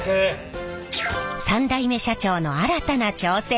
３代目社長の新たな挑戦。